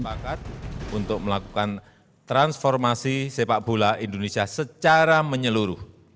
sepakat untuk melakukan transformasi sepak bola indonesia secara menyeluruh